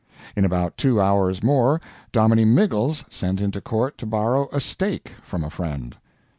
] In about two hours more Dominie Miggles sent into court to borrow a "stake" from a friend.